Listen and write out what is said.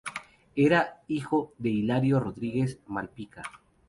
Era hijo de Hilario Rodríguez Malpica.